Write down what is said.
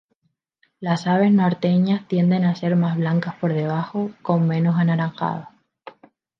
Las aves norteñas tienden a ser más blancas por abajo, con menos anaranjado.